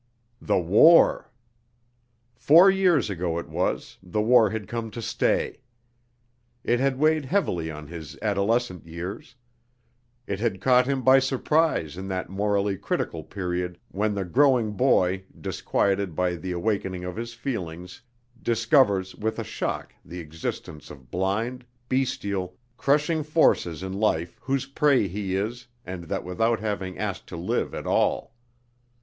The war! Four years ago it was, the war had come to stay. It had weighed heavily on his adolescent years. It had caught him by surprise in that morally critical period when the growing boy, disquieted by the awakening of his feelings, discovers with a shock the existence of blind, bestial, crushing forces in life whose prey he is and that without having asked to live at all.